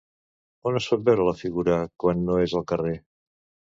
On es pot veure la figura quan no és al carrer?